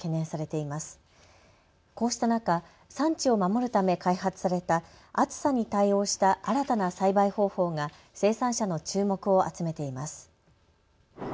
こうした中、産地を守るため開発された暑さに対応した新たな栽培方法が生産者の注目を集めています。